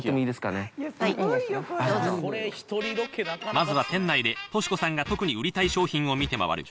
まずは店内で、稔子さんが特に売りたい商品を見て回る。